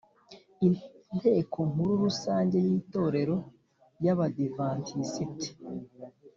inteko nkuru rusange yitorero yabadiventisite